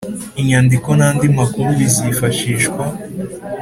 Inyandiko n andi makuru bizifashishwa